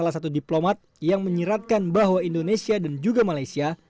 salah satu diplomat yang menyiratkan bahwa indonesia dan juga malaysia